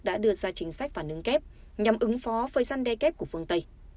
đã đưa ra chính sách phản ứng kép nhằm ứng phó phơi săn đe kép của phương tây